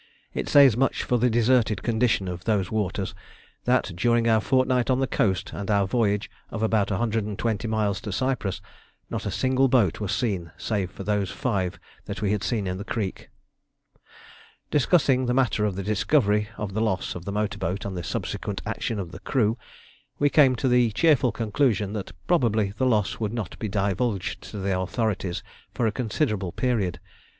It says much for the deserted condition of those waters that during our fortnight on the coast and our voyage of about 120 miles to Cyprus not a single boat was seen save those five that we had seen in the creek. Discussing the matter of the discovery of the loss of the motor boat and the subsequent action of the crew, we came to the cheerful conclusion that probably the loss would not be divulged to the authorities for a considerable period.